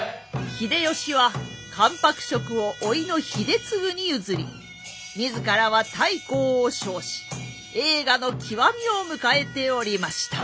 秀吉は関白職を甥の秀次に譲り自らは太閤を称し栄華の極みを迎えておりました。